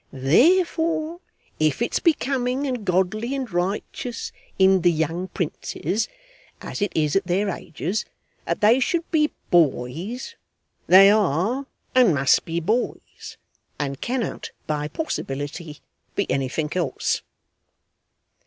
Therefore if it's becoming and godly and righteous in the young princes (as it is at their ages) that they should be boys, they are and must be boys, and cannot by possibility be anything else.